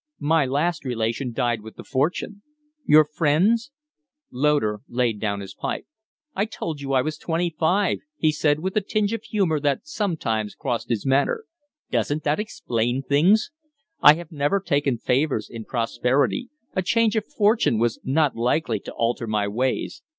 "My last relation died with the fortune." "Your friends?" Loder laid down his pipe. "I told you I was twenty five," he said, with the tinge of humor that sometimes crossed his manner. "Doesn't that explain things? I had never taken favors in prosperity; a change of fortune was not likely to alter my ways.